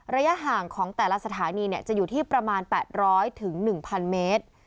ระยะห่างของแต่ละสถานีจะอยู่ที่ประมาณ๘๐๐๑๐๐เมตร